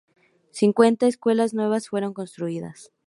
Cincuenta escuelas nuevas fueron construidas.